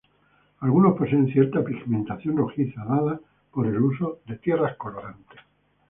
Algunos poseen cierta pigmentación rojiza dada por el uso de tierras colorantes.